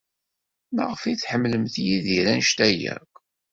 Maɣef ay ḥemmlent Yidir anect-a akk?